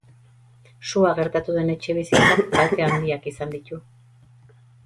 Sua gertatu den etxebizitzak kalte handiak izan ditu.